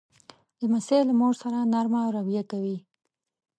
لمسی له مور سره نرمه رویه کوي.